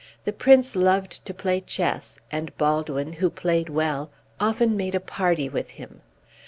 The Prince loved to play chess, and Baldwin, who played well, often made a party with him.